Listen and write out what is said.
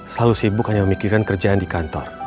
selalu sibuk hanya memikirkan kerjaan di kantor